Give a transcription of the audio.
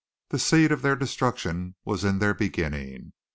The seed of their destruction was in their beginning.